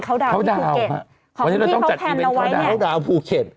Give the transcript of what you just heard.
เขาดาวที่ภูเก็ตของที่เขาแผ่นเราไว้เนี่ยเขาดาวภูเก็ต